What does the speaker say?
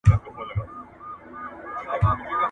ملا ستړی و او پر کټ پریوت.